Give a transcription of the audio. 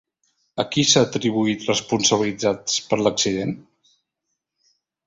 A qui s'ha atribuït responsabilitats per l'accident?